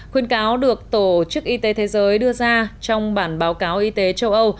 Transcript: khuyên cáo được tổ chức y tế thế giới đưa ra trong bản báo cáo y tế châu âu